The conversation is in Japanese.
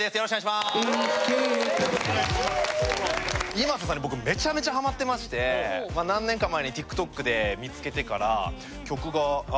ｉｍａｓｅさんに僕めちゃめちゃハマってまして何年か前にＴｉｋＴｏｋで見つけてから曲があ